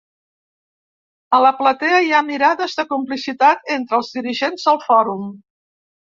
A la platea hi ha mirades de complicitat entre els dirigents del Fòrum.